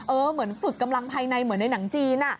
เหมือนฝึกกำลังภายในเหมือนในหนังจีน